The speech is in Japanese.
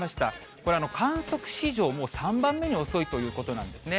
これ、観測史上３番目に遅いということなんですね。